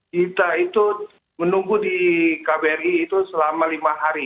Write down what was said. kita itu menunggu di kbri itu selama lima hari